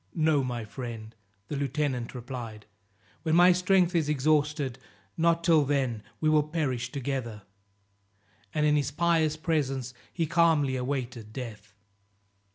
"No, my friend," the lieutenant replied, "when my strength is exhausted, not till then, we will perish together;" and in his pious presence he calmly awaited death.